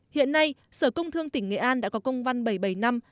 hiện nay sở công thương tỉnh nghệ an đã có công văn bảy bảy năm